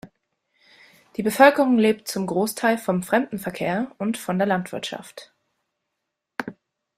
Die Bevölkerung lebt zum Großteil vom Fremdenverkehr und von der Landwirtschaft.